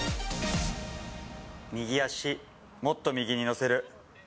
右足、もっと右に乗せる。